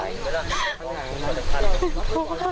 ไม่ต้องตอบประโยชน์